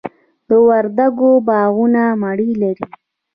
د وردګو باغونه مڼې لري.